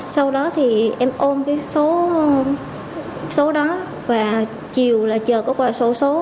sau đó thì em ôm cái số đó và chiều là chờ có qua số số